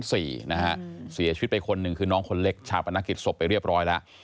เสียชีวิตไปคนหนึ่งคือน้องคนเล็กชาปนกิจศพไปเรียบร้อยแล้ว